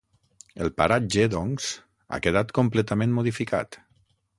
El paratge doncs ha quedat completament modificat.